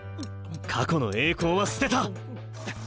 過去の栄光は捨てた。